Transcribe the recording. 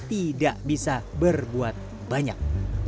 tidak bisa berbuat banyak